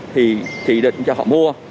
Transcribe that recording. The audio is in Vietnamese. thì chỉ định cho họ mua